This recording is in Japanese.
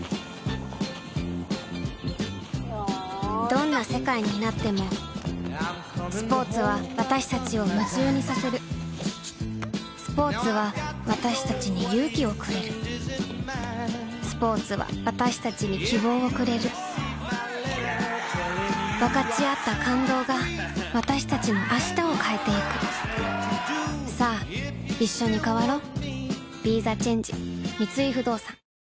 どんな世界になってもスポーツは私たちを夢中にさせるスポーツは私たちに勇気をくれるスポーツは私たちに希望をくれる分かち合った感動が私たちの明日を変えてゆくさあいっしょに変わろう